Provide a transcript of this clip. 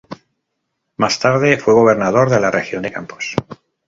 Más tarde fue gobernador de la región de Campos.